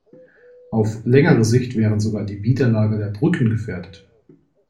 Auf längere Sicht wären sogar die Widerlager der Brücken gefährdet.